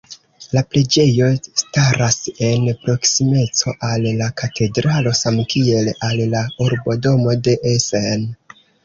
La preĝejo staras en proksimeco al la katedralo samkiel al la urbodomo de Essen.